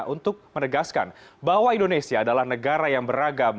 untuk menegaskan bahwa indonesia adalah negara yang beragam